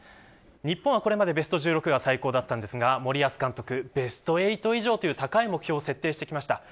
日本は、これまでベスト１６が最高でしたが森保監督はベスト８以上という高い目標を設定してきました。